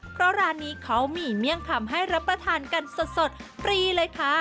เพราะร้านนี้เขามีเมี่ยงคำให้รับประทานกันสดฟรีเลยค่ะ